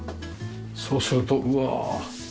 そうするとうわ！